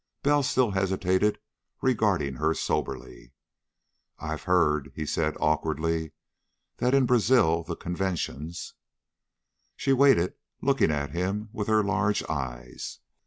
Bell still hesitated, regarding her soberly. "I've heard," he said awkwardly, "that in Brazil the conventions...." She waited, looking at him with her large eyes.